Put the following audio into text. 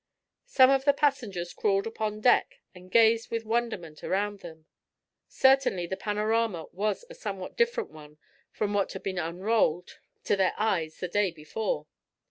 Some of the passengers crawled upon deck and gazed with wonderment around them. Certainly the panorama was a somewhat different one from what had been unrolled to their eyes the day before.